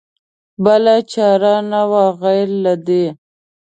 بله چاره نه وه غیر له دې.